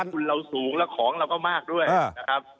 คุณเราสูงแล้วของเราก็มากด้วยนะครับ